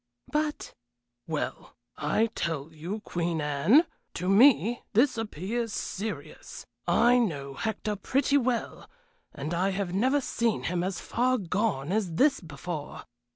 "But " "Well, I tell you, Queen Anne, to me this appears serious. I know Hector pretty well, and I have never seen him as far gone as this before.